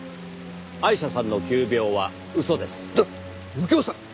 右京さん！